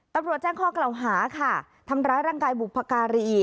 ตำรวจแจ้งข้อกล่าวหาค่ะทำร้ายร่างกายบุพการี